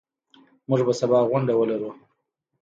موږ به سبا غونډه ولرو.